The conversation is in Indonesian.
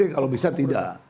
kalau bisa tidak